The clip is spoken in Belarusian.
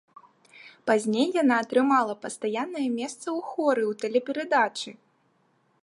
Пазней яна атрымала пастаяннае месца ў хоры у тэлеперадачы.